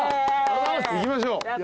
行きましょう。